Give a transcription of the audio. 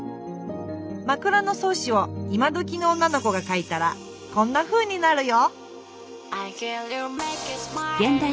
「枕草子」を今どきの女の子が書いたらこんなふうになるよ。